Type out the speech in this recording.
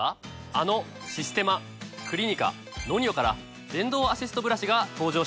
あのシステマクリニカＮＯＮＩＯから電動アシストブラシが登場したんです。